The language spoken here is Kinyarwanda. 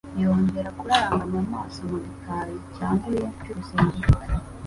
yongera kuraranganya amaso mu gikari cyanduye cy'urusengero.